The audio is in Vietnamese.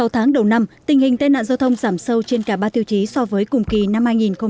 sáu tháng đầu năm tình hình tai nạn giao thông giảm sâu trên cả ba tiêu chí so với cùng kỳ năm hai nghìn một mươi chín